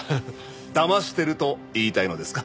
だましてると言いたいのですか？